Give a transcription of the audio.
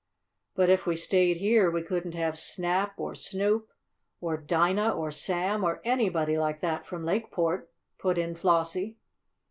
"But if we stayed here we couldn't have Snap or Snoop or Dinah or Sam, or anybody like that from Lakeport," put in Flossie.